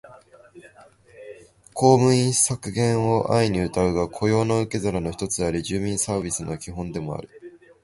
公務員削減を安易にうたうが、雇用の受け皿の一つであり、住民サービスの基本でもある